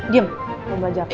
diam gue belajar